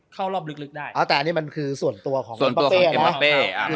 เข้ารอบลึกลึกได้อ๋อแต่อันนี้มันคือส่วนตัวของเอ็มปะเป้แล้วเนอะ